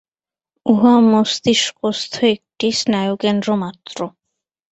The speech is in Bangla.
উহা মস্তিষ্কস্থ একটি স্নায়ুকেন্দ্র মাত্র।